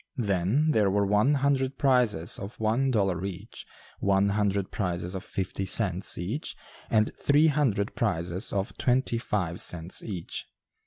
Then there were one hundred prizes of one dollar each, one hundred prizes of fifty cents each, and three hundred prizes of twenty five cents each.